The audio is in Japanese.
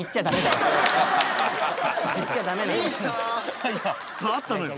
いやいやあったのよ。